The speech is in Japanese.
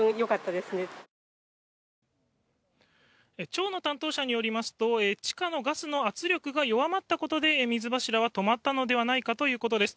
町の担当者によりますと地下のガスの圧力が弱まったことで水柱は止まったのではないかということです。